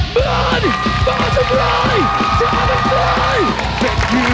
เบิร์นฟ้าชะปลายชาวมันปลาย